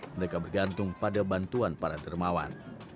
mereka bergantung pada bantuan para dermawan